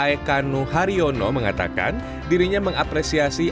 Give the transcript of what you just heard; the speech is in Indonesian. ekanu haryono mengatakan dirinya mengapresiasi